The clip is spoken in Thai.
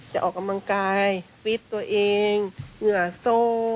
ออกกำลังกายฟิตตัวเองเหงื่อโซ่